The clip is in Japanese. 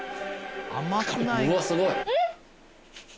うわすごい。